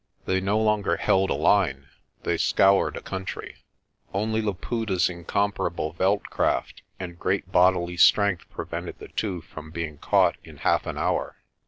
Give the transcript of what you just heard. They no longer held a line; they scoured a country. Only Laputa's incomparable veld craft and great bodily strength prevented the two from be ing caught in half an hour.